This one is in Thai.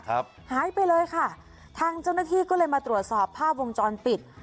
หายไปเลยค่ะทางเจ้าหน้าที่ก็เลยมาตรวจสอบภาพวงจรปิด